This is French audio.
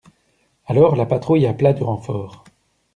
Alors la patrouille appela du renfort.